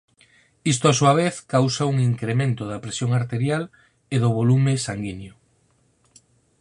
Isto á súa vez causa un incremento da presión arterial e do volume sanguíneo.